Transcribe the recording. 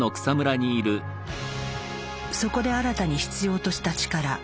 そこで新たに必要とした力。